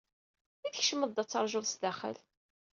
I tkecmed-d, ad teṛjud sdaxel?